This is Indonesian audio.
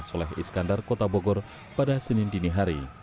soleh iskandar kota bogor pada senin dinihari